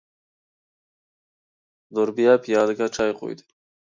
نۇربىيە پىيالىگە چاي قۇيدى.